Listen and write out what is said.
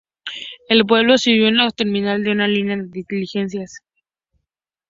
El pueblo sirvió como la terminal de una línea de diligencias.